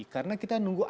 karena kita nunggu aksi